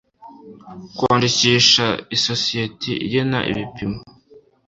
kwandikisha isosiyeti igena ibipimo